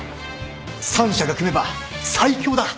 ３社が組めば最強だ。